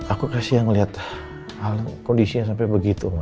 aku kasihan ngelihat al kondisinya sampai begitu ma